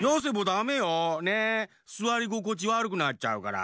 すわりごこちわるくなっちゃうから。